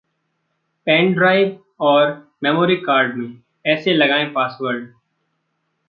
pen drive और memory card में ऐसे लगाएं पासवर्ड